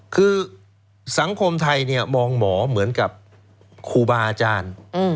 คือสังคมไทยเนี่ยมองหมอเหมือนกับครูบาอาจารย์